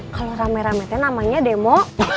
kalau rame ramenya namanya demo